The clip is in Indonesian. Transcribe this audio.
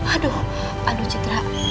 aduh aduh citra